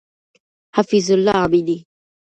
حفیظ الله امینی